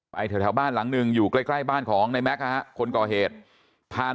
แถวบ้านหลังหนึ่งอยู่ใกล้บ้านของในแม็กซ์คนก่อเหตุผ่าน